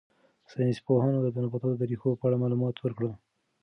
ساینس پوهانو د نباتاتو د ریښو په اړه معلومات ورکړل.